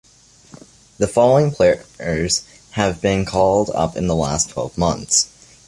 The following players have been called up in the last twelve months.